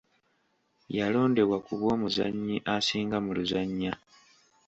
Yalondebwa ku bwomuzannyi asinga mu luzannya.